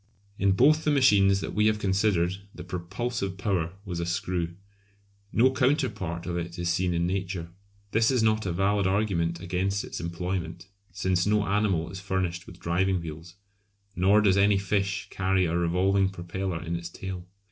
In both the machines that we have considered the propulsive power was a screw. No counterpart of it is seen in Nature. This is not a valid argument against its employment, since no animal is furnished with driving wheels, nor does any fish carry a revolving propeller in its tail.